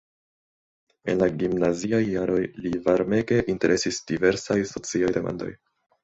En la gimnaziaj jaroj lin varmege interesis diversaj sociaj demandoj.